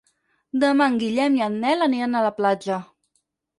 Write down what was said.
Demà en Guillem i en Nel aniran a la platja.